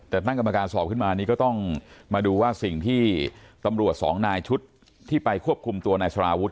แต่ตั้งกรรมการสอบขึ้นมานี่ก็ต้องมาดูว่าสิ่งที่ตำรวจสองนายชุดที่ไปควบคุมตัวนายสารวุฒ